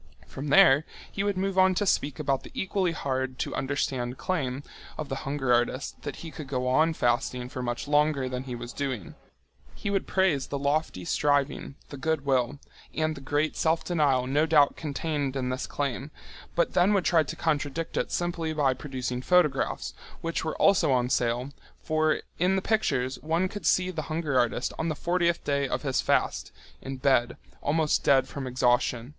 From there he would move on to speak about the equally hard to understand claim of the hunger artist that he could go on fasting for much longer than he was doing. He would praise the lofty striving, the good will, and the great self denial no doubt contained in this claim, but then would try to contradict it simply by producing photographs, which were also on sale, for in the pictures one could see the hunger artist on the fortieth day of his fast, in bed, almost dead from exhaustion.